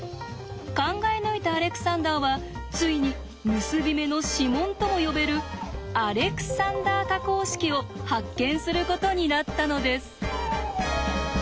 考え抜いたアレクサンダーはついに結び目の指紋とも呼べる「アレクサンダー多項式」を発見することになったのです。